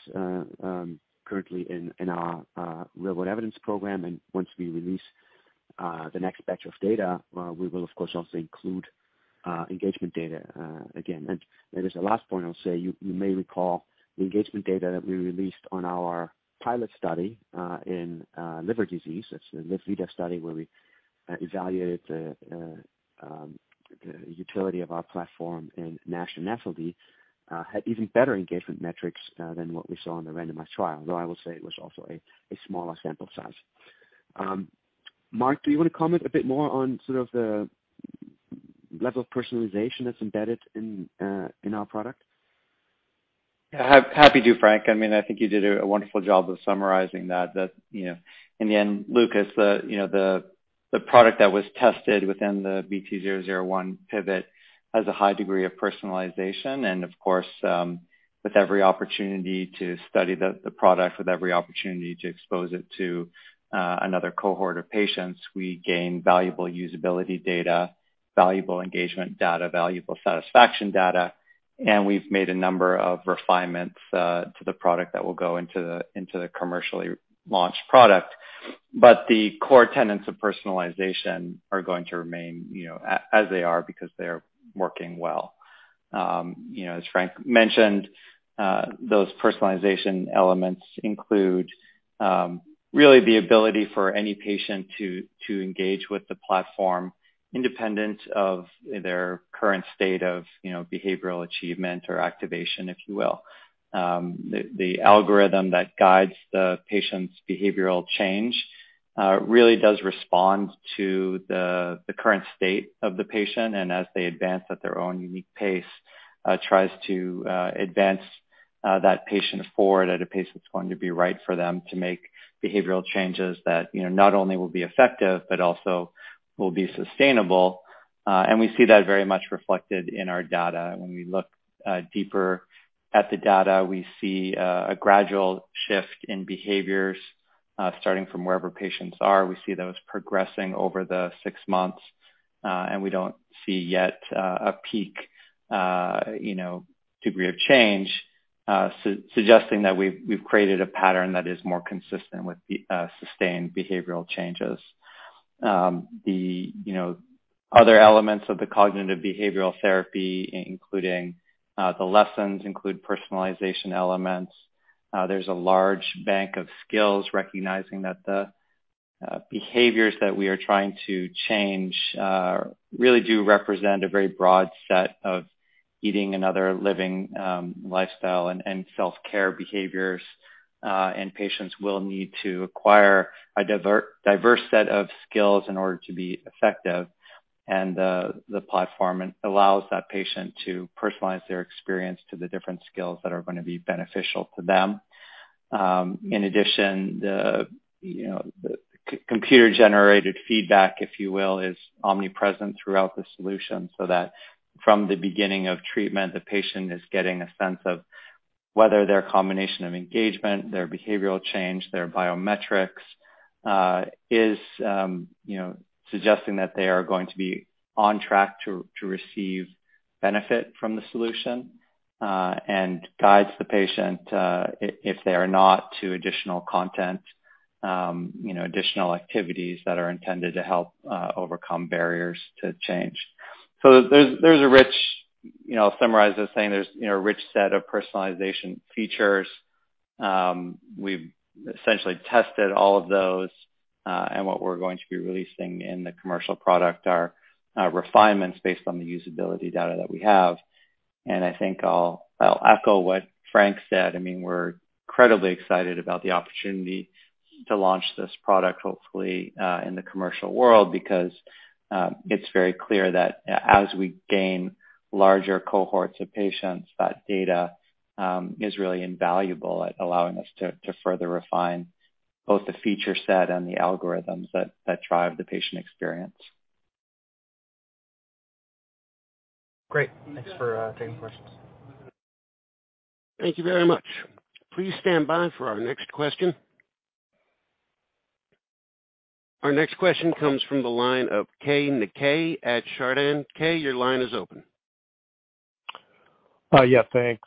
currently in our real world evidence program. Once we release the next batch of data, we will of course also include engagement data again. There is a last point I'll say, you may recall the engagement data that we released on our pilot study in liver disease. It's the LivVita study where we evaluated the utility of our platform in NASH and NAFLD had even better engagement metrics than what we saw in the randomized trial. Though, I will say it was also a smaller sample size. Mark, do you wanna comment a bit more on sort of the level of personalization that's embedded in our product? Yeah. Happy to Frank. I mean, I think you did a wonderful job of summarizing that. You know, in the end, Lucas, you know, the product that was tested within the BT-001 pivot has a high degree of personalization. Of course, with every opportunity to study the product, with every opportunity to expose it to another cohort of patients, we gain valuable usability data, valuable engagement data, valuable satisfaction data, and we've made a number of refinements to the product that will go into the commercially launched product. The core tenets of personalization are going to remain, you know, as they are because they're working well. You know, as Frank mentioned, those personalization elements include, really the ability for any patient to engage with the platform independent of their current state of, you know, behavioral achievement or activation, if you will. The algorithm that guides the patient's behavioral change really does respond to the current state of the patient, and as they advance at their own unique pace, tries to advance that patient forward at a pace that's going to be right for them to make behavioral changes that, you know, not only will be effective, but also will be sustainable. We see that very much reflected in our data. When we look deeper at the data, we see a gradual shift in behaviors, starting from wherever patients are. We see those progressing over the six months, and we don't see yet, a peak, you know, degree of change, suggesting that we've created a pattern that is more consistent with the sustained behavioral changes. The, you know, other elements of the cognitive behavioral therapy, including the lessons, include personalization elements. There's a large bank of skills recognizing that the behaviors that we are trying to change, really do represent a very broad set of eating another living, lifestyle and self-care behaviors. Patients will need to acquire a diverse set of skills in order to be effective. The, the platform allows that patient to personalize their experience to the different skills that are gonna be beneficial to them. In addition, the, you know, the computer generated feedback, if you will, is omnipresent throughout the solution, so that from the beginning of treatment, the patient is getting a sense of whether their combination of engagement, their behavioral change, their biometrics, is, you know, suggesting that they are going to be on track to receive benefit from the solution. Guides the patient, if they are not to additional content, you know, additional activities that are intended to help overcome barriers to change. There's, there's a rich, you know... I'll summarize as saying there's, you know, a rich set of personalization features. We've essentially tested all of those, and what we're going to be releasing in the commercial product are refinements based on the usability data that we have. I think I'll echo what Frank said. I mean, we're incredibly excited about the opportunity to launch this product, hopefully, in the commercial world because it's very clear that as we gain larger cohorts of patients, that data is really invaluable at allowing us to further refine both the feature set and the algorithms that drive the patient experience. Great. Thanks for taking questions. Thank you very much. Please stand by for our next question. Our next question comes from the line of Keay Nakae at Chardan. Keay, your line is open. Yeah, thanks.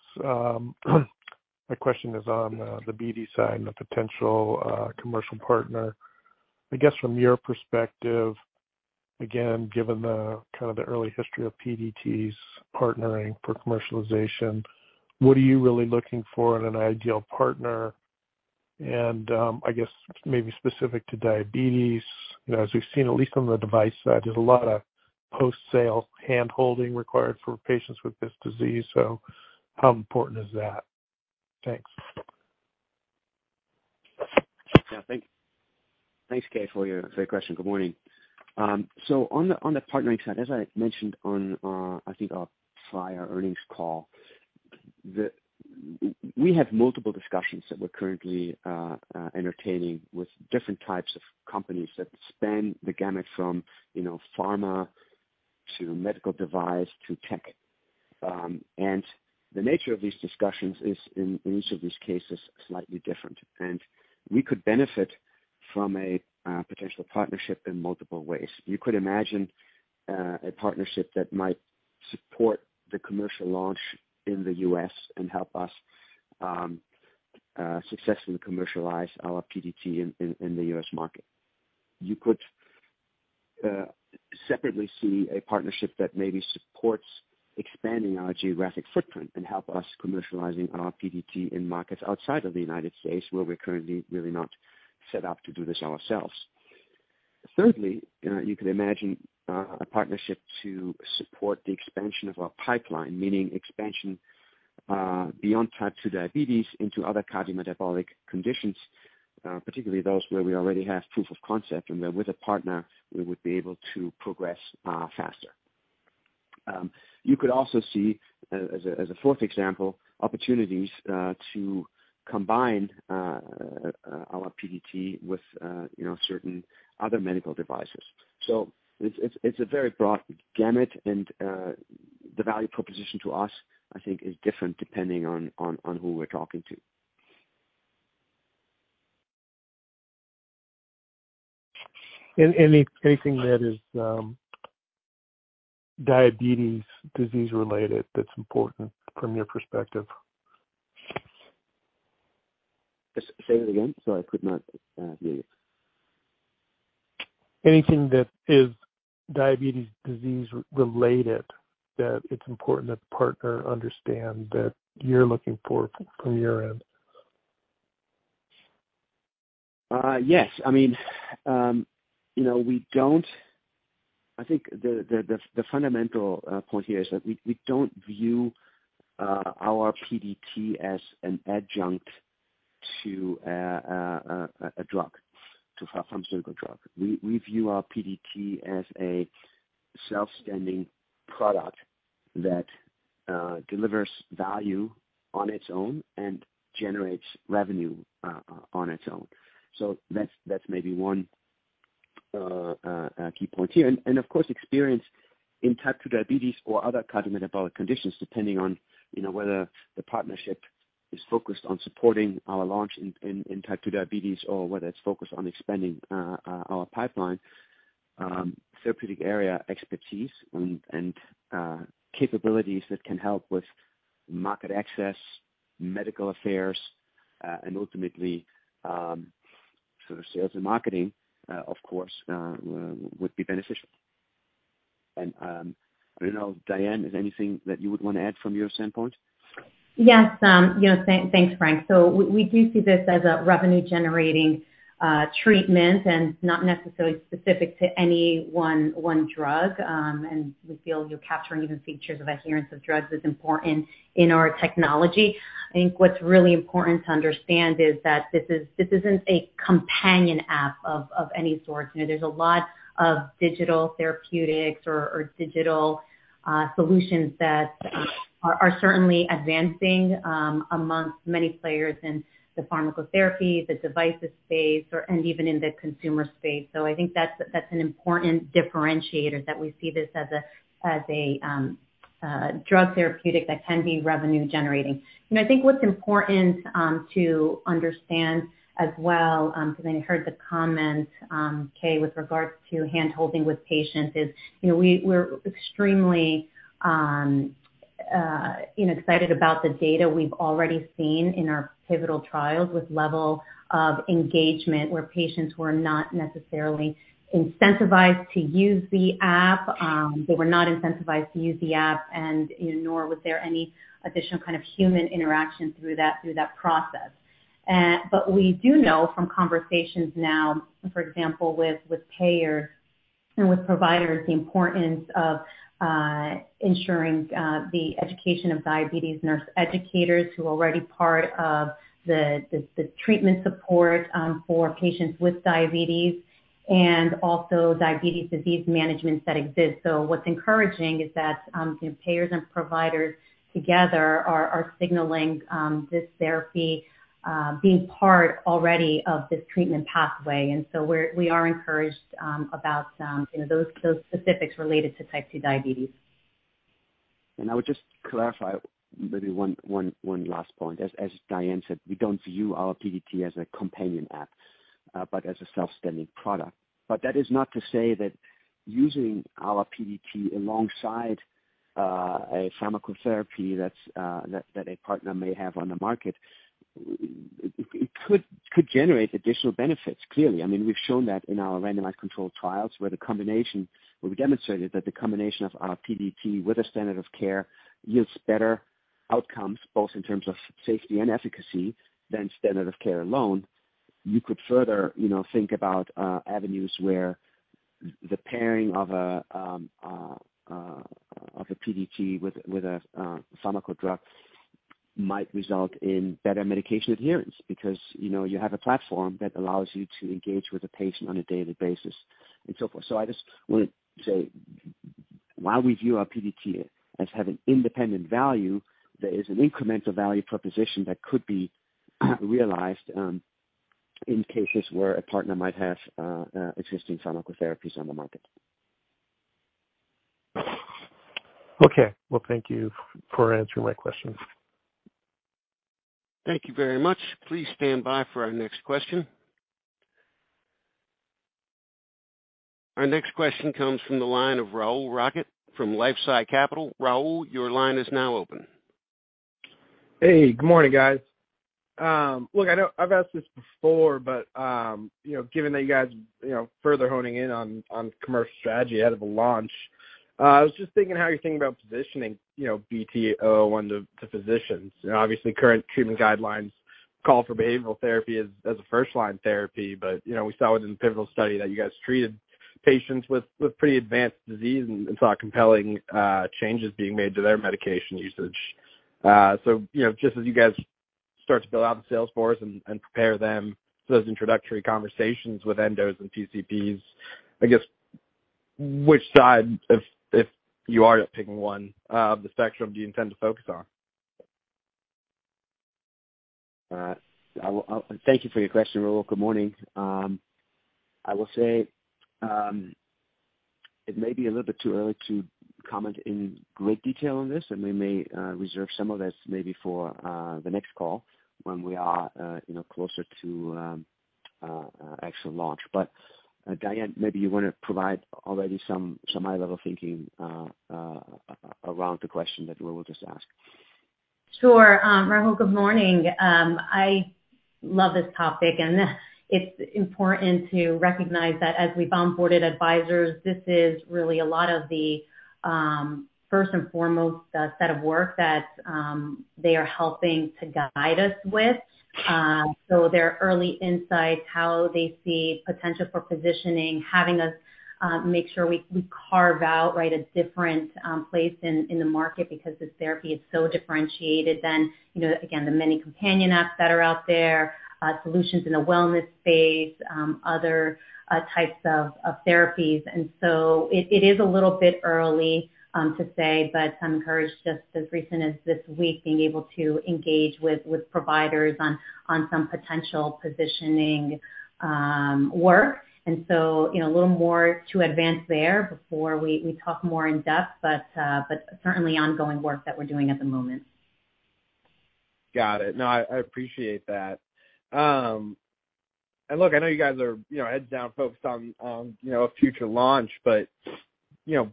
My question is on the BD side and the potential commercial partner. I guess from your perspective, again, given the kind of the early history of PDTs partnering for commercialization, what are you really looking for in an ideal partner? I guess maybe specific to diabetes, you know, as we've seen at least on the device side, there's Post-sale handholding required for patients with this disease. How important is that? Thanks. Yeah. Thanks, Keay, for your question. Good morning. On the partnering side, as I mentioned on, I think our prior earnings call, we have multiple discussions that we're currently entertaining with different types of companies that span the gamut from, you know, pharma to medical device to tech. The nature of these discussions is in each of these cases, slightly different. We could benefit from a potential partnership in multiple ways. You could imagine a partnership that might support the commercial launch in the U.S. and help us successfully commercialize our PDT in the U.S. market. You could separately see a partnership that maybe supports expanding our geographic footprint and help us commercializing our PDT in markets outside of the United States, where we're currently really not set up to do this ourselves. Thirdly, you could imagine a partnership to support the expansion of our pipeline, meaning expansion beyond type two diabetes into other cardiometabolic conditions, particularly those where we already have proof of concept and where with a partner we would be able to progress faster. You could also see as a fourth example, opportunities to combine our PDT with, you know, certain other medical devices. It's a very broad gamut, and the value proposition to us, I think is different depending on who we're talking to. Anything that is diabetes disease related that's important from your perspective. Just say that again. Sorry, I could not hear you. Anything that is diabetes disease related that it's important that the partner understand that you're looking for from your end. Yes. I mean, you know, I think the fundamental point here is that we don't view our PDT as an adjunct to a drug, to a pharmaceutical drug. We view our PDT as a self-standing product that delivers value on its own and generates revenue on its own. That's maybe one key point here. Of course, experience in type 2 diabetes or other cardiometabolic conditions, depending on, you know, whether the partnership is focused on supporting our launch in type 2 diabetes or whether it's focused on expanding our pipeline, therapeutic area expertise and capabilities that can help with market access, medical affairs, and ultimately, sort of sales and marketing, of course, would be beneficial. I don't know. Diane, is there anything that you would wanna add from your standpoint? Yes, you know, thanks, Frank. we do see this as a revenue generating treatment and not necessarily specific to any one drug. And we feel you're capturing even features of adherence of drugs is important in our technology. I think what's really important to understand is that this isn't a companion app of any sort. you know, there's a lot of digital therapeutics or digital solutions that are certainly advancing amongst many players in the pharmacotherapy, the devices space or even in the consumer space. I think that's an important differentiator that we see this as a drug therapeutic that can be revenue generating. I think what's important, to understand as well, 'cause I heard the comment, Keay, with regards to handholding with patients is, you know, we're extremely, you know, excited about the data we've already seen in our pivotal trials with level of engagement where patients were not necessarily incentivized to use the app. They were not incentivized to use the app and, you know, nor was there any additional kind of human interaction through that, through that process. We do know from conversations now, for example, with payers and with providers, the importance of ensuring the education of diabetes nurse educators who are already part of the treatment support for patients with diabetes and also diabetes disease management that exists. What's encouraging is that, you know, payers and providers together are signaling this therapy being part already of this treatment pathway. We are encouraged about, you know, those specifics related to type 2 diabetes. I would just clarify maybe one last point. As Diane said, we don't view our PDT as a companion app, but as a self-standing product. That is not to say that using our PDT alongside a pharmacotherapy that's that a partner may have on the market, it could generate additional benefits. Clearly, I mean, we've shown that in our randomized controlled trials where we demonstrated that the combination of our PDT with a standard of care yields better outcomes, both in terms of safety and efficacy, than standard of care alone. You could further, you know, think about avenues where the pairing of a PDT with a pharmacal drug might result in better medication adherence because, you know, you have a platform that allows you to engage with the patient on a daily basis and so forth. I just wanna say while we view our PDT as having independent value, there is an incremental value proposition that could be realized in cases where a partner might have existing pharmacotherapies on the market. Okay. Well, thank you for answering my question. Thank you very much. Please stand by for our next question. Our next question comes from the line of Rahul Rakhit from LifeSci Capital. Rahul, your line is now open. Hey, good morning, guys. Look, I know I've asked this before, you know, given that you guys, you know, further honing in on commercial strategy ahead of a launch, I was just thinking how you're thinking about positioning, you know, BT-001 to physicians. You know, obviously current treatment guidelines call for behavioral therapy as a first line therapy. You know, we saw within the pivotal study that you guys treated patients with pretty advanced disease and saw compelling changes being made to their medication usage. You know, just as you guys start to build out the sales force and prepare them for those introductory conversations with endos and PCPs, I guess which side, if you are picking one, of the spectrum do you intend to focus on? Thank you for your question, Rahul. Good morning. I will say, it may be a little bit too early to comment in great detail on this, and we may reserve some of this maybe for the next call when we are, you know, closer to actual launch. Diane, maybe you wanna provide already some high-level thinking around the question that Rahul just asked. Sure. Rahul, good morning. I love this topic, and it's important to recognize that as we've onboarded advisors, this is really a lot of the first and foremost set of work that they are helping to guide us with. Their early insights, how they see potential for positioning, having us make sure we carve out, right, a different place in the market because this therapy is so differentiated than, you know, again, the many companion apps that are out there, solutions in the wellness space, other types of therapies. It is a little bit early to say, but I'm encouraged just as recent as this week being able to engage with providers on some potential positioning work. You know, a little more to advance there before we talk more in-depth, but certainly ongoing work that we're doing at the moment. Got it. No, I appreciate that. Look, I know you guys are, you know, heads down focused on, you know, a future launch, but, you know,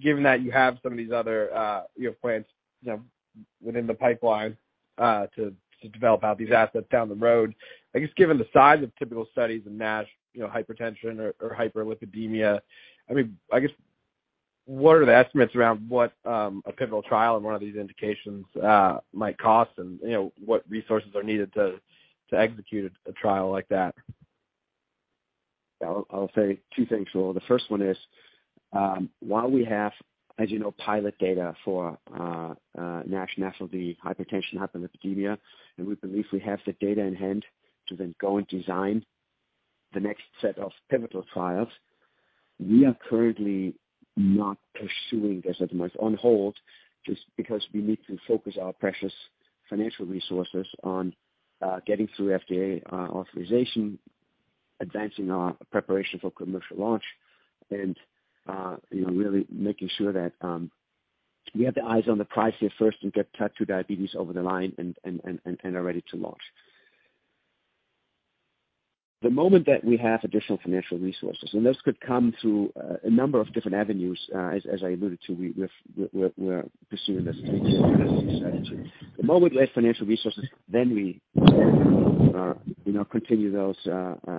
given that you have some of these other, you know, plans, you know, within the pipeline, to develop out these assets down the road. I guess given the size of typical studies in NASH, you know, hypertension or hyperlipidemia, I mean, I guess what are the estimates around what a pivotal trial in one of these indications might cost and, you know, what resources are needed to execute a trial like that? I'll say two things, Rahul. The first one is, while we have, as you know, pilot data for NASH, obesity, hypertension, hyperlipidemia, and we believe we have the data in hand to then go and design the next set of pivotal trials. We are currently not pursuing this as much on hold just because we need to focus our precious financial resources on getting through FDA authorization, advancing our preparation for commercial launch and, you know, really making sure that we have the eyes on the prize here first and get type two diabetes over the line and are ready to launch. The moment that we have additional financial resources, and this could come through a number of different avenues, as I alluded to, we're pursuing this in two different studies. The moment we have financial resources, then we, you know, continue those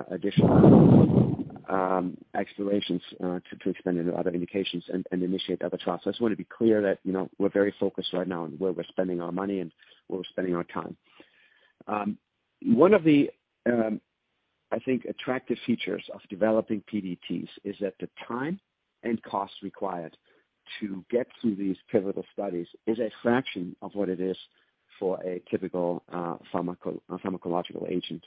additional explorations to expand into other indications and initiate other trials. I just wanna be clear that, you know, we're very focused right now on where we're spending our money and where we're spending our time. One of the, I think, attractive features of developing PDTs is that the time and cost required to get through these pivotal studies is a fraction of what it is for a typical pharmacological agent.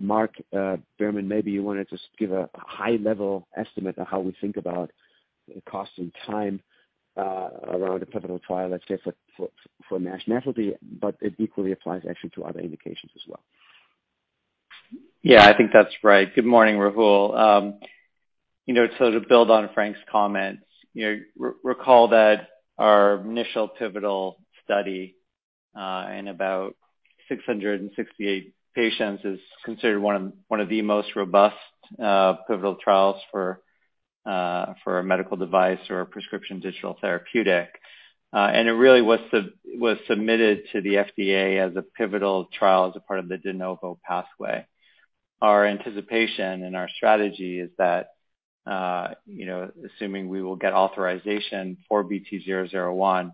Mark Berman, maybe you wanna just give a high level estimate of how we think about the cost and time around a pivotal trial, let's say for NASH, obesity, but it equally applies actually to other indications as well. I think that's right. Good morning, Rahul. You know, to build on Frank's comments, you know, recall that our initial pivotal study, in about 668 patients is considered one of the most robust pivotal trials for a medical device or a prescription digital therapeutic. It really was submitted to the FDA as a pivotal trial as a part of the De Novo pathway. Our anticipation and our strategy is that, you know, assuming we will get authorization for BT-001,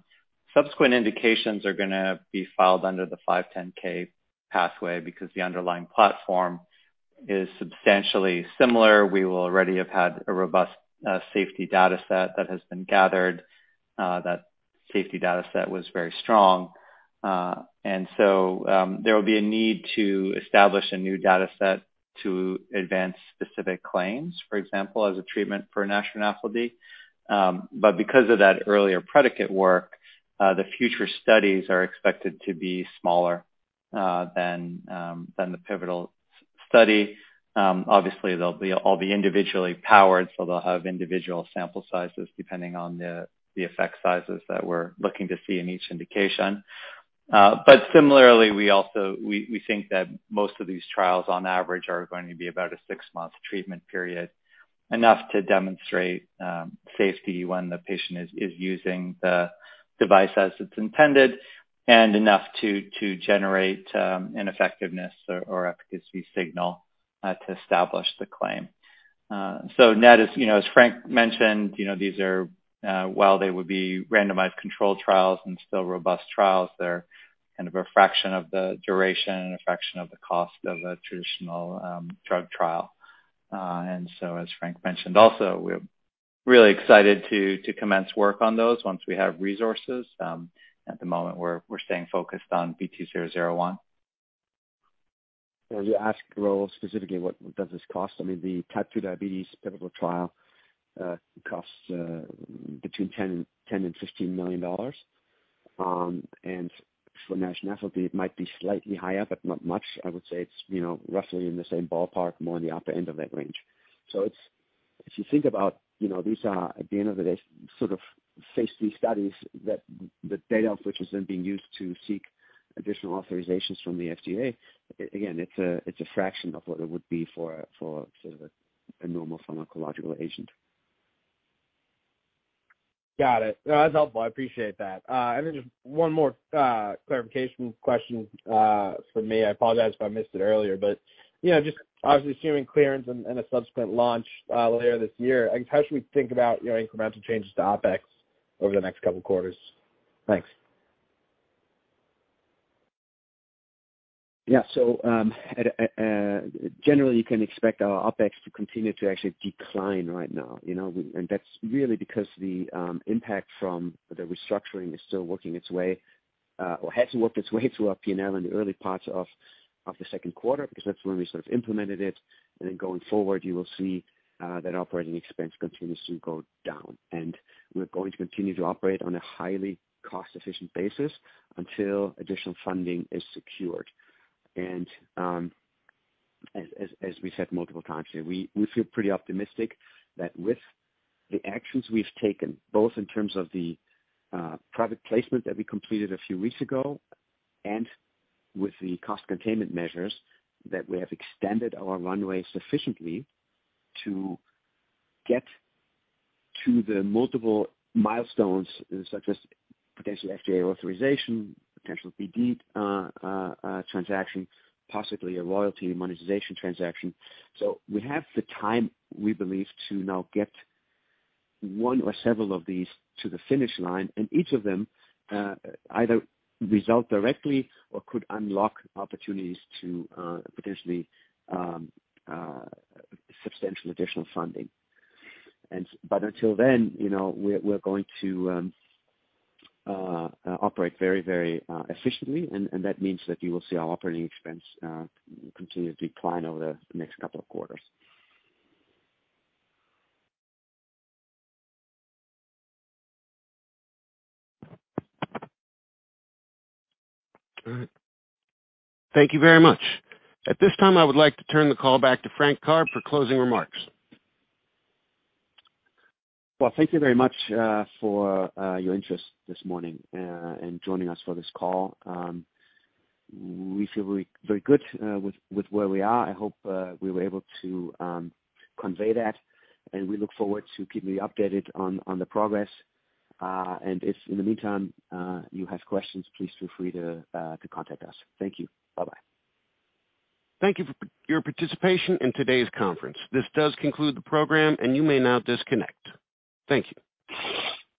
subsequent indications are gonna be filed under the 510(k) pathway because the underlying platform is substantially similar. We will already have had a robust safety data set that has been gathered. That safety data set was very strong. There will be a need to establish a new data set to advance specific claims. For example, as a treatment for nasopharyngitis. Because of that earlier predicate work, the future studies are expected to be smaller than the pivotal study. Obviously they'll all be individually powered, so they'll have individual sample sizes depending on the effect sizes that we're looking to see in each indication. Similarly, we also... We think that most of these trials on average are going to be about a 6-month treatment period, enough to demonstrate safety when the patient is using the device as it's intended and enough to generate an effectiveness or efficacy signal to establish the claim. Net, as you know, as Frank mentioned, these are while they would be randomized controlled trials and still robust trials, they're kind of a fraction of the duration and a fraction of the cost of a traditional drug trial. As Frank mentioned also, we're really excited to commence work on those once we have resources. At the moment, we're staying focused on BT-001. You asked, Rahul, specifically what does this cost? I mean, the type 2 diabetes pivotal trial costs between $10 million and $15 million. For nasopharyngitis, it might be slightly higher, but not much. I would say it's, you know, roughly in the same ballpark, more on the upper end of that range. If you think about, you know, these are, at the end of the day, sort of phase III studies that the data of which is then being used to seek additional authorizations from the FDA, again, it's a, it's a fraction of what it would be for sort of a normal pharmacological agent. Got it. No, that's helpful. I appreciate that. Then just one more clarification question from me. I apologize if I missed it earlier, but, you know, just obviously assuming clearance and a subsequent launch later this year, like how should we think about, you know, incremental changes to OpEx over the next couple quarters? Thanks. Yeah. generally you can expect our OpEx to continue to actually decline right now, you know. That's really because the impact from the restructuring is still working its way, or has worked its way through our P&L in the early parts of the second quarter because that's when we sort of implemented it. Going forward, you will see that operating expense continues to go down. We're going to continue to operate on a highly cost efficient basis until additional funding is secured. As we said multiple times today, we feel pretty optimistic that with the actions we've taken, both in terms of the private placement that we completed a few weeks ago, and with the cost containment measures, that we have extended our runway sufficiently to get to the multiple milestones such as potential FDA authorization, potential BD transaction, possibly a royalty monetization transaction. We have the time, we believe, to now get one or several of these to the finish line, and each of them, either result directly or could unlock opportunities to potentially substantial additional funding. But until then, you know, we're going to operate very, very efficiently, and that means that you will see our operating expense continue to decline over the next couple of quarters. All right. Thank you very much. At this time, I would like to turn the call back to Frank Karbe for closing remarks. Well, thank you very much for your interest this morning and joining us for this call. We feel very, very good with where we are. I hope we were able to convey that, and we look forward to keeping you updated on the progress. If in the meantime, you have questions, please feel free to contact us. Thank you. Bye-bye. Thank you for your participation in today's conference. This does conclude the program, and you may now disconnect. Thank you.